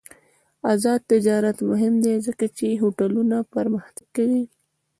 آزاد تجارت مهم دی ځکه چې هوټلونه پرمختګ کوي.